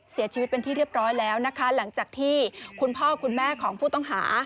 เสียชีวิตเป็นที่เรียบร้อยแล้วนะคะหลังจากที่คุณพ่อคุณแม่ของผู้ต้องหา